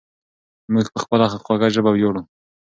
موږ په خپله خوږه ژبه ویاړو.